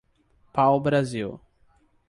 Pau Brasil